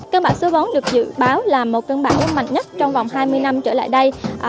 cân bảo số bốn được dự báo là một cân bảo mạnh nhất trong vòng hai mươi năm trở lại đây